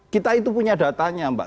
kita itu punya datanya mbak